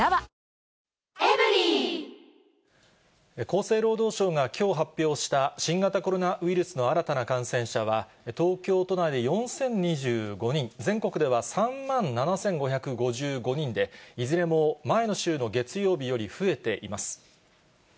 厚生労働省がきょう発表した新型コロナウイルスの新たな感染者は、東京都内で４０２５人、全国では３万７５５５人で、いずれも前の週の月曜日より増えています。